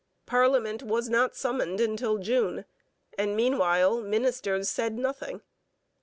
Parliament was not summoned until June; and meanwhile ministers said nothing.